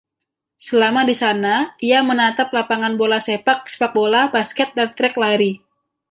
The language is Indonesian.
Selama di sana, ia menatap lapangan bola sepak, sepakbola, basket dan trek lari.